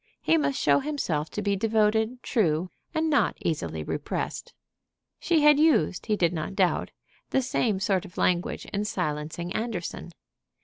He must show himself to be devoted, true, and not easily repressed. She had used, he did not doubt, the same sort of language in silencing Anderson.